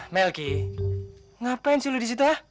melki ngapain sih lo disitu ya